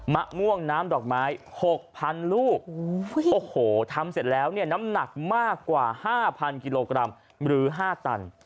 มะม่วงน้ำดอกไม้๖๐๐๐ลูกโอ้โหทำเสร็จแล้วเนี่ยน้ำหนักมากกว่า๕๐๐กิโลกรัมหรือ๕ตัน